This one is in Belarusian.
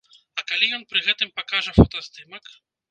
А калі ён пры гэтым пакажа фотаздымак?